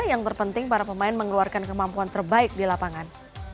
yang terpenting para pemain mengeluarkan kemampuan terbaik di lapangan